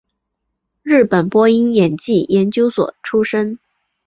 日本播音演技研究所出身。